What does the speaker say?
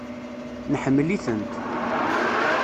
Neḥemmel-itent.